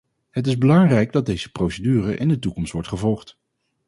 Het is belangrijk dat deze procedure in de toekomst wordt gevolgd.